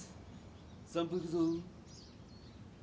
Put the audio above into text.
散歩行くぞ。